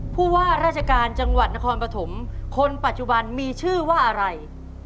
ผู้ว่าราชการจังหวัดนครปฐมคนปัจจุบันมีชื่อว่าอะไร